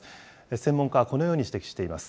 専門家はこのように指摘しています。